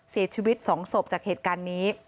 เสียชีวิต๒ศพจากเหตุการณ์นี้